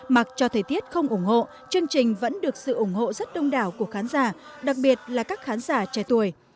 mặc cho thời tiết không ủng hộ chương trình vẫn được sự ủng hộ rất đông đảo của khán giả đặc biệt là các khán giả trẻ tuổi